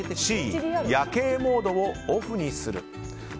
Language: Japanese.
Ｃ、夜景モードをオフにする。